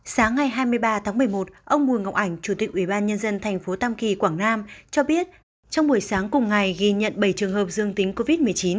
sáng ngày hai mươi ba tháng một mươi một ông bùi ngọc ảnh chủ tịch ủy ban nhân dân thành phố tam kỳ quảng nam cho biết trong buổi sáng cùng ngày ghi nhận bảy trường hợp dương tính covid một mươi chín